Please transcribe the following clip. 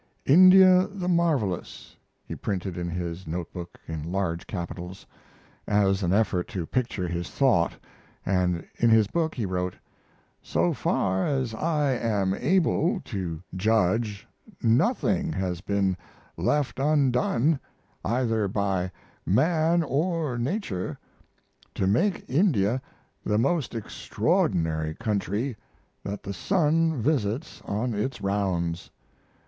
"INDIA THE MARVELOUS" he printed in his note book in large capitals, as an effort to picture his thought, and in his book he wrote: So far as I am able to judge nothing has been left undone, either by man or Nature, to make India the most extraordinary country that the sun visits on his rounds.